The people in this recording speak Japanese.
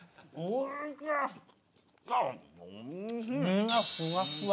身がふわふわ。